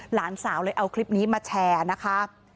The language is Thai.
หลานสาวเลยเอาคลิปนี้มาแชร์นะคะ